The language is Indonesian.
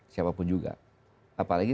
siapapun juga apalagi